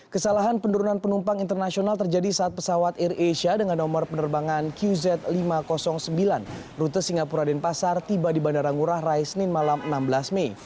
kesalahan penurunan penumpang internasional terjadi saat pesawat air asia dengan nomor penerbangan qz lima ratus sembilan rute singapura dan pasar tiba di bandara ngurah rai senin malam enam belas mei